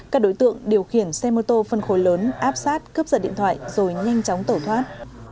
các đối tượng điều khiển xe mô tô phân khối lớn áp sát cướp giật điện thoại rồi nhanh chóng tẩu thoát